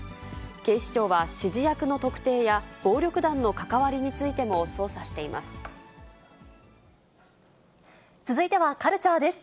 警視庁は指示役の特定や、暴力団の関わりについても捜査していま続いてはカルチャーです。